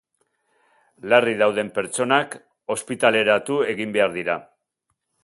Larri dauden pertsonak ospitaleratu egin behar dira.